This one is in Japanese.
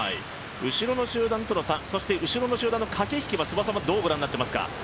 後ろの集団との差、そして後ろの集団のかけひきは諏訪さんはどうご覧になっていますか？